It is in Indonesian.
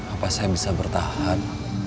apa saya bisa bertahan